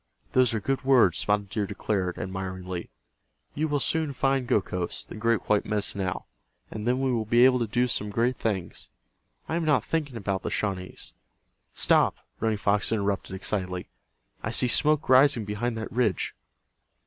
"Those are good words," Spotted Deer declared, admiringly. "You will soon find Gokhos, the great white Medicine Owl, and then we will be able to do some great things. I am not thinking about the Shawnees——" "Stop!" Running Fox interrupted, excitedly. "I see smoke rising behind that ridge."